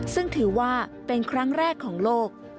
ซึ่งถือว่าเป็นครั้งแรกของโลก